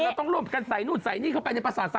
เราต้องร่วมกันใส่นู่นใส่นี่เข้าไปในประสาท